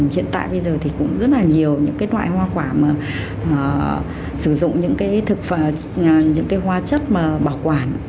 hiện tại bây giờ cũng rất nhiều loại hoa quả sử dụng những hoa chất bảo quản